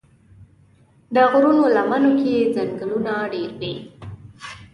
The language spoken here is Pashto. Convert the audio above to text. د غرونو لمنو کې ځنګلونه ډېر وي.